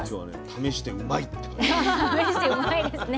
「ためしてうまいッ！」ですね。